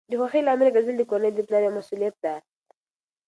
د خوښۍ لامل ګرځیدل د کورنۍ د پلار یوه مسؤلیت ده.